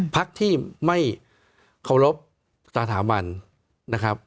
พักที่ไม่เคารพสถาบันนะครับ